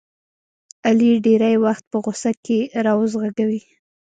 علي ډېری وخت په غوسه کې روض غږوي.